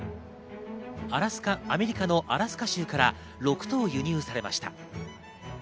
アメリカのアラスカ州から６頭輸入されました。